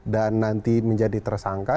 dan nanti menjadi tersangka